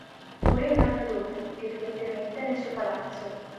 Mori un anno dopo, evidentemente nel suo palazzo.